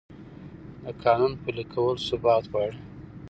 د قانون پلي کول ثبات غواړي